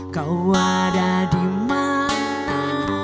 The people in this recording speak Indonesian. kau ada dimana